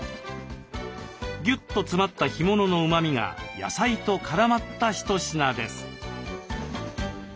ぎゅっと詰まった干物のうまみが野菜と絡まった一品です。